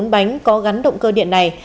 bốn bánh có gắn động cơ điện này